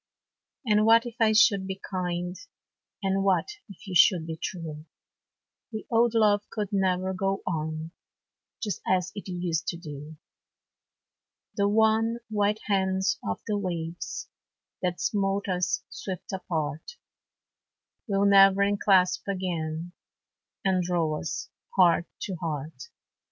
And what if I should be kind? And what if you should be true? The old love could never go on, Just as it used to do. The wan, white hands of the waves That smote us swift apart, Will never enclasp again, And draw us heart to heart.